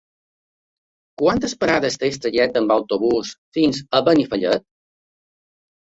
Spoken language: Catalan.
Quantes parades té el trajecte en autobús fins a Benifallet?